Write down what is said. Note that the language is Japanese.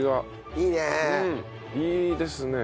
いいですね！